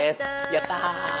やった！